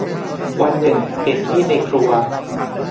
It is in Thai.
วันหนึ่งเห็นมีดในครัว